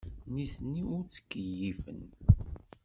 Nitni ur ttkeyyifen.